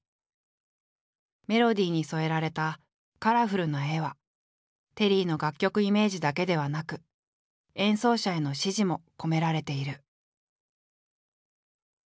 メロディーに添えられたカラフルな絵はテリーの楽曲イメージだけではなく演奏者への指示も込められている。